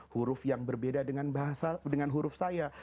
huruf yang berbeda dengan huruf saya